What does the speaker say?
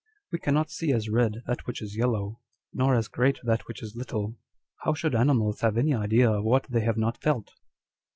We cannot see as red that which is yellow, nor as great that which is little. How should animals have any idea of what they have not felt